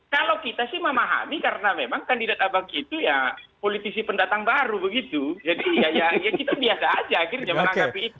kalau kita sih memahami karena memang kandidat abang itu ya politisi pendatang baru begitu jadi ya ya kita biasa aja akhirnya menanggapi itu